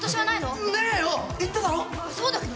そうだけど何で？